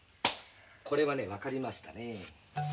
これはね分かりましたね。